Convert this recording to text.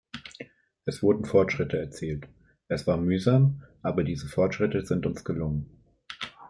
Es wurden Fortschritte erzielt, es war mühsam, aber diese Fortschritte sind uns gelungen.